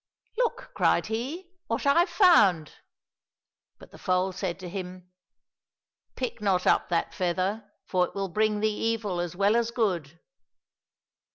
" Look !" cried he, '' what I've found ! "—But the foal said to him, '' Pick not up that feather, for it will bring thee evil as well as good